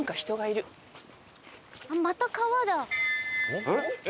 また川だ。